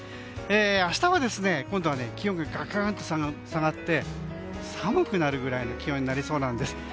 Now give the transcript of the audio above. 明日は、今度は気温がガクンと下がって寒くなるくらいの気温になりそうなんです。